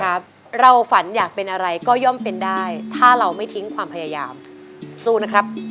ครับเราฝันอยากเป็นอะไรก็ย่อมเป็นได้ถ้าเราไม่ทิ้งความพยายามสู้นะครับ